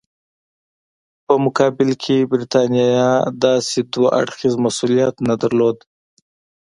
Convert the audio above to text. په مقابل کې برټانیې داسې دوه اړخیز مسولیت نه درلود.